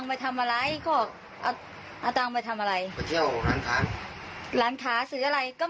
เอาตังไปทำอะไรขอบ